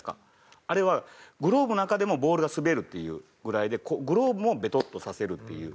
あれはグローブの中でもボールが滑るっていうぐらいでグローブもベトッとさせるっていう。